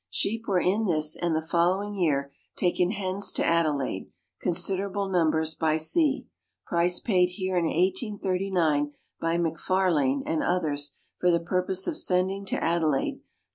Sheep were in this and the following year taken hence to Adelaide considerable numbers by sea. Price paid here in 1839 by McFarlane and others for the purpose of sending to Adelaide, 27s.